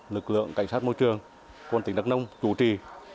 lực lượng cảnh sát môi trường quân tỉnh đắk nông chủ trì